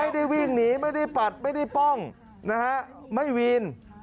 วิ่งหนีไม่ได้ปัดไม่ได้ป้องนะฮะไม่วีน